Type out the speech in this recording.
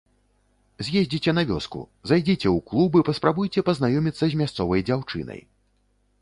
З'ездзіце на вёску, зайдзіце ў клуб і паспрабуйце пазнаёміцца з мясцовай дзяўчынай.